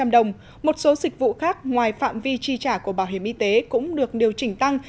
một trăm linh đồng một số dịch vụ khác ngoài phạm vi chi trả của bảo hiểm y tế cũng được điều chỉnh tăng